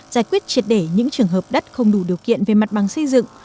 giải quyết triệt để những trường hợp đất không đủ điều kiện về mặt bằng xây dựng